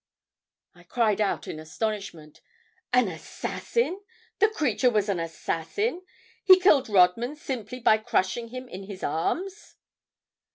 I cried out in astonishment. "An assassin! The creature was an assassin! He killed Rodman simply by crushing him in his arms!"